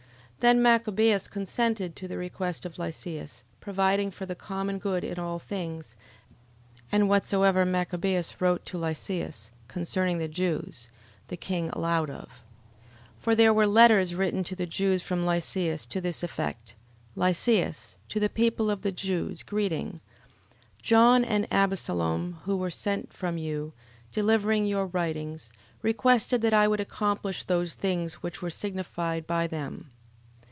11:15. Then Machabeus consented to the request of Lysias, providing for the common good in all things; and whatsoever Machabeus wrote to Lysias, concerning the Jews, the king allowed of. 11:16. For there were letters written to the Jews from Lysias, to this effect: Lysias, to the people of the Jews, greeting. 11:17. John, and Abesalom, who were sent from you, delivering your writings, requested that I would accomplish those things which were signified by them.